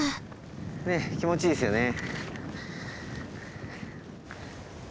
ねえ気持ちいいですよね。